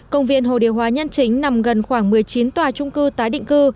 công viên hồ điều hóa nhân chính nằm gần khoảng một mươi chín tòa trung cư tái định cư